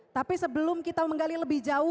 tapi sebelum kita menggali lebih jauh